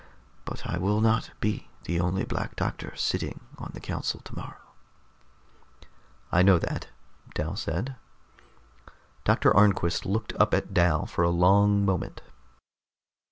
But I will not be the only Black Doctor sitting on the council tomorrow." "I know that," Dal said. Doctor Arnquist looked up at Dal for a long moment.